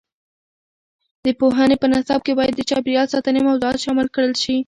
د پوهنې په نصاب کې باید د چاپیریال ساتنې موضوعات شامل کړل شي.